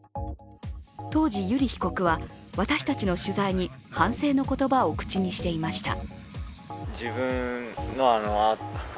当時、油利被告は私たちの取材に反省の言葉を口にしていました。